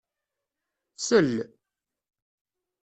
Sel...